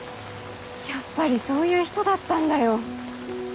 やっぱりそういう人だったんだよ。